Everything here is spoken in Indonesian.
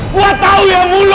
gue tau ya mulu